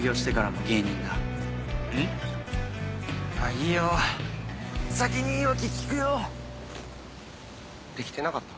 いいよ先に言い訳聞くよ。できてなかった？